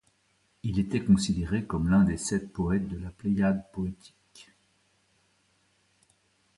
Il était considéré comme l'un des sept poètes de la Pléiade poétique.